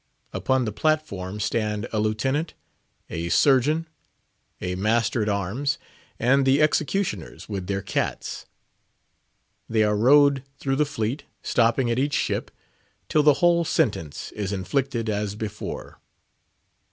Upon the platform stand a Lieutenant, a Surgeon a Master at arms, and the executioners with their "cats." They are rowed through the fleet, stopping at each ship, till the whole sentence is inflicted, as before.